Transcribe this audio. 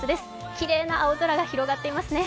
きれいな青空が広がっていますね。